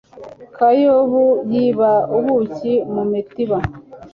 nka yobu yiba ubuki mumitiba